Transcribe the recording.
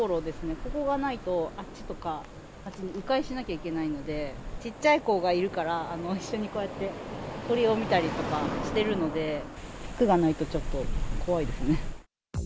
ここがないと、あっちとかあっち、う回しないといけないので、ちっちゃい子がいるから、一緒にこうやって、鳥を見たりとかしてるので、柵がないとちょっと怖いですね。